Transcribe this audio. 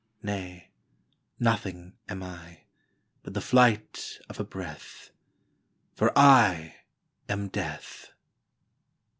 Nay; nothing am I, But the flight of a breath For I am Death!